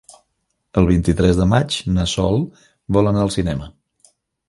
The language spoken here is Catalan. El vint-i-tres de maig na Sol vol anar al cinema.